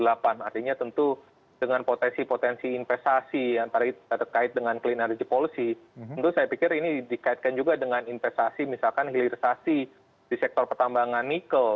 artinya tentu dengan potensi potensi investasi terkait dengan clean energy policy tentu saya pikir ini dikaitkan juga dengan investasi misalkan hilirisasi di sektor pertambangan nikel